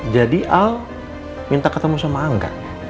jadi al minta ketemu sama angga